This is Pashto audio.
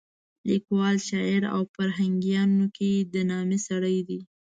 لیکوال، شاعر او په فرهنګیانو کې د نامې سړی دی.